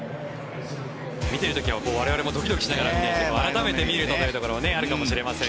見てる時は我々もドキドキしながら見ましたが改めて見るとというところがあるかもしれません。